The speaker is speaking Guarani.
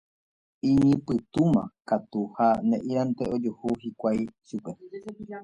Iñipytũma katu ha ne'írãnte ojuhu hikuái chupe.